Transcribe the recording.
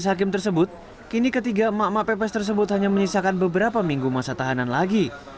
hakim tersebut kini ketiga emak emak pepes tersebut hanya menyisakan beberapa minggu masa tahanan lagi